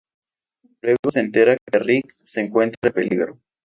Luego se entera que Rick se encuentra en peligro.